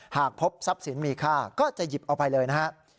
หากพบทรัพย์สินมีค่าก็จะหยิบเอาไปเลยนะครับ